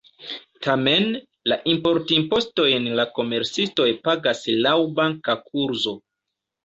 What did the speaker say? Tamen, la importimpostojn la komercistoj pagas laŭ banka kurzo.